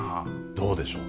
どうでしょう？